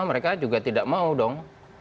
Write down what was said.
mereka juga tidak mau dong